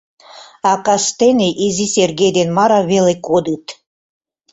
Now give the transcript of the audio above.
А кастене изи Сергей ден Мара веле кодыт.